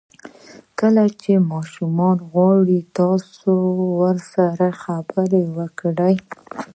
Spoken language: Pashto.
کله چې ماشومان وغواړي تاسو سره خبرې وکړي.